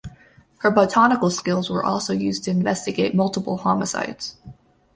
Her botanical skills were also used to investigate multiple homicides.